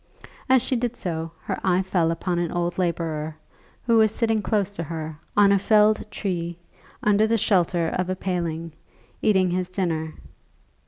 As she did so, her eye fell upon an old labourer, who was sitting close to her, on a felled tree, under the shelter of a paling, eating his dinner.